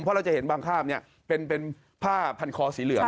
เพราะเราจะเห็นบางภาพเป็นผ้าพันคอสีเหลือง